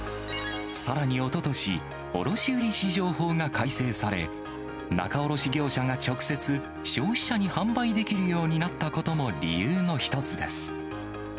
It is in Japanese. さらにおととし、卸売市場法が改正され、仲卸業者が直接、消費者に販売できるようになったことも理由の一つです。